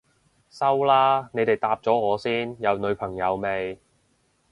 收啦，你哋答咗我先，有女朋友未？